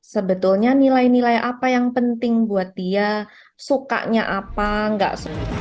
sebetulnya nilai nilai apa yang penting buat dia sukanya apa enggak